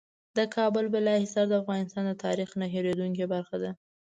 د کابل بالا حصار د افغانستان د تاریخ نه هېرېدونکې برخه ده.